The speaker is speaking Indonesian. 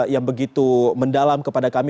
yang begitu mendalam kepada kami